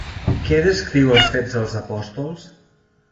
Què descriu Els Fets dels Apòstols?